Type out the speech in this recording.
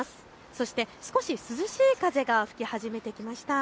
そして少し涼しい風が吹き始めてきました。